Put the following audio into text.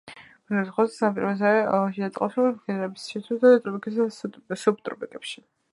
ბინადრობენ ზღვების სანაპიროებზე, შიდა წყალსატევებში, მდინარეების შესართავებში ტროპიკებსა და სუბტროპიკებში.